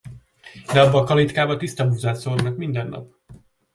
De abba a kalitkába tiszta búzát szórnak mindennap!